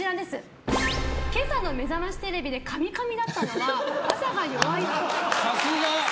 今朝の「めざましテレビ」でカミカミだったのはさすが！